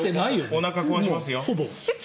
おなかを壊しますよ。